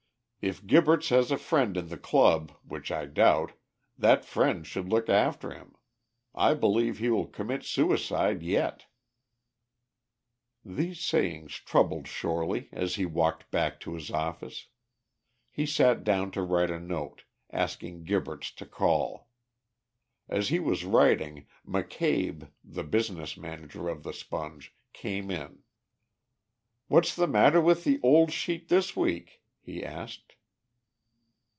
"If Gibberts has a friend in the Club, which I doubt, that friend should look after him. I believe he will commit suicide yet." These sayings troubled Shorely as he walked back to his office. He sat down to write a note, asking Gibberts to call. As he was writing, McCabe, the business manager of the Sponge, came in. "What's the matter with the old sheet this week?" he asked.